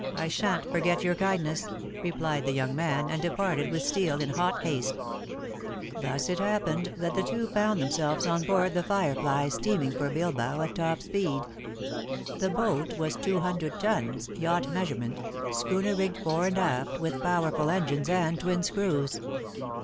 I shan't forget your kindness," replied the young man, and departed with Steel in hot haste. Thus it happened that the two found themselves on board The Firefly steaming for Bilbao at top speed. The boat was two hundred tons, yacht measurement, schooner rigged fore and aft, with powerful engines and twin screws.